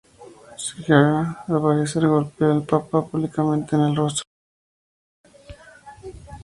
Sciarra, al parecer, golpeó al Papa públicamente en el rostro.